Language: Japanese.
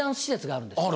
あるんですか。